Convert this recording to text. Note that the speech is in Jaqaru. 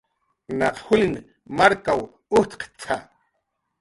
"Naq juli markaw utkt""a"